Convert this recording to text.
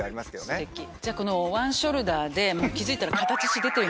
ステキじゃワンショルダーで気付いたら。